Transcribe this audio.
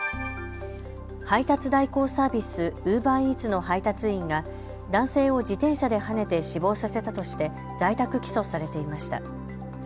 配達代行サービス、ウーバーイーツの配達員が男性を自転車ではねて死亡させたとして在宅起訴されていました。